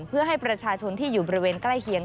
เพื่อให้ประชาชนที่อยู่บริเวณใกล้เคียง